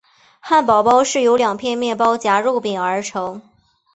汉堡包是由两片面包夹肉饼而成。